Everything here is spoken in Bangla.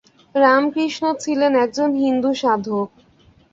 রামকৃষ্ণ ছিলেন একজন হিন্দু সাধক।